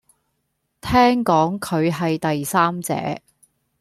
聽講佢係第三者